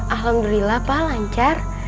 alhamdulillah pak lancar